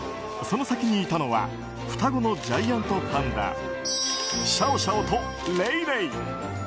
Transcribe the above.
その先にいたのは双子のジャイアントパンダシャオシャオとレイレイ。